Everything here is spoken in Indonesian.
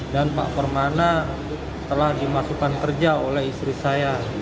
dan pak permana telah dimasukkan kerja oleh istri saya